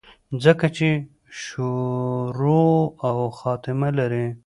ځکه چې شورو او خاتمه لري